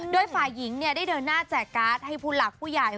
โดยฝ่ายหญิงได้เดินหน้าแจกการ์ดให้ผู้หลักผู้ใหญ่